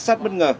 màu đen à